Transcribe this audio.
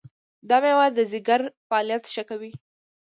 دا مېوه د ځیګر فعالیت ښه کوي.